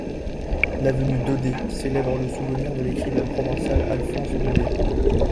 L'avenue Daudet célèbre le souvenir de l'écrivain provençal Alphonse Daudet.